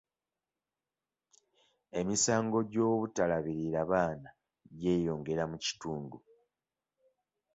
Emisango gy'obutalabirira baana gyeyongera mu kitundu.